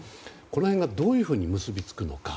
この辺がどういうふうに結びつくのか。